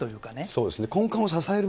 そうですね、そう。